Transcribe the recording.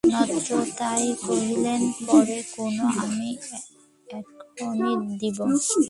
নক্ষত্ররায় কহিলেন, পরে কেন, আমি এখনি দিব।